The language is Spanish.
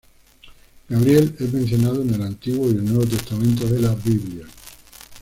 Gabriel es mencionado en el Antiguo y el Nuevo Testamento de la "Biblia".